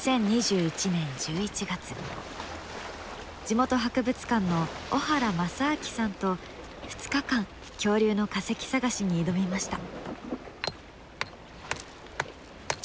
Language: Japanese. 地元博物館の小原正顕さんと２日間恐竜の化石探しに挑みました。